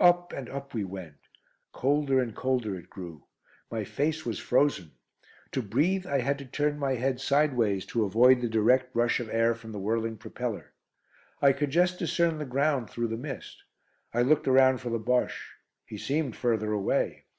Up and up we went. Colder and colder it grew. My face was frozen. To breathe, I had to turn my head sideways to avoid the direct rush of air from the whirling propeller. I could just discern the ground through the mist. I looked around for the Bosche. He seemed further away.